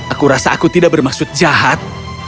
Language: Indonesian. aku rasa aku tidak bermaksud jahat